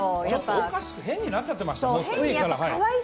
おかしく、変になっちゃってましたね。